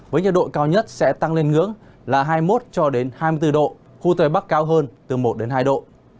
với nhiệt độ cao nhất sẽ tăng lên ngưỡng là hai mươi một hai mươi bốn độ khu tây bắc cao hơn từ một hai độ